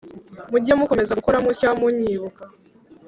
Mujye mukomeza gukora mutya munyibuka